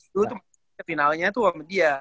dulu tuh finalnya tuh sama dia